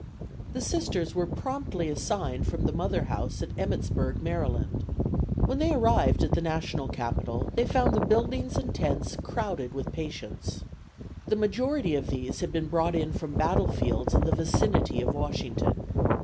The Sisters were promptly assigned from the mother house at Emmittsburg, Md. When they arrived at the National Capital they found the buildings and tents crowded with patients. The majority of these had been brought in from battlefields in the vicinity of Washington.